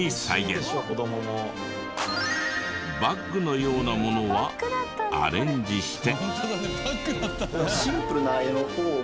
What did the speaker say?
バッグのようなものはアレンジして。